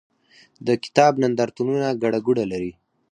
د کتاب نندارتونونه ګڼه ګوڼه لري.